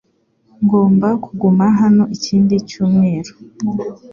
Ngomba kuguma hano ikindi cyumweru